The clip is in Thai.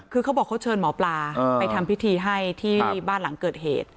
คือเขาบอกเขาเชิญหมอปลาไปทำพิธีให้ที่บ้านหลังเกิดเหตุ